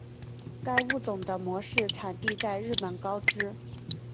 该物种的模式产地在日本高知。